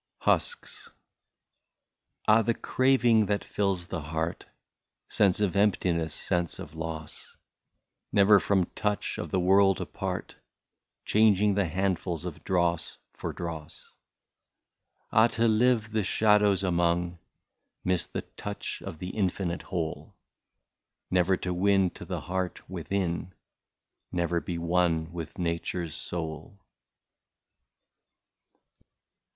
1 89 HUSKS. Ah ! the craving that fills the heart, Sense of emptiness, sense of loss, Never from touch of the world apart. Changing the handfuls of dross for dross. Ah ! to live the shadows among. Miss the touch of the infinite whole. Never to win to the heart within, Never be one with nature's soul.